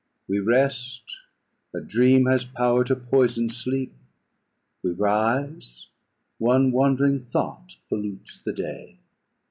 We rest; a dream has power to poison sleep. We rise; one wand'ring thought pollutes the day.